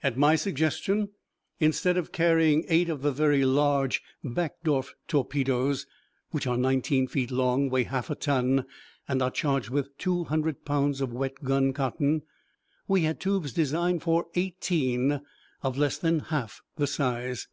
At my suggestion, instead of carrying eight of the very large Bakdorf torpedoes, which are nineteen feet long, weigh half a ton, and are charged with two hundred pounds of wet gun cotton, we had tubes designed for eighteen of less than half the size.